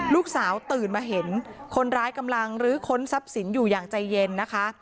ตื่นมาเห็นคนร้ายกำลังลื้อค้นทรัพย์สินอยู่อย่างใจเย็นนะคะ